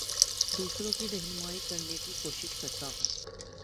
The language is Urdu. دوسروں کی رہنمائ کرنے کی کوشش کرتا ہوں